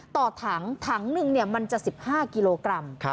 ต่อถังถังหนึ่งมันจะ๑๕กิโลกรัม